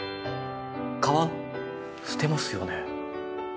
皮捨てますよね。